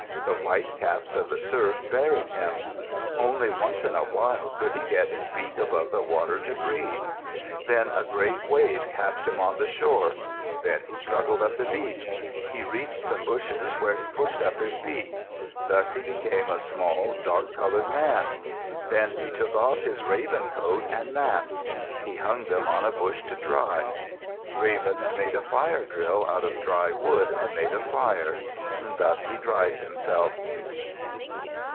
The white caps of the surf buried him. Only once in a while could he get his beak above the water to breathe. Then a great wave cast him on the shore. Then he struggled up the beach. He reached some bushes where he pushed up his beak. Thus he became a small, dark colored man. Then he took off his raven coat and mask. He hung them on a bush to dry. Raven made a fire drill out of dry wood and made a fire. Thus he dried himself.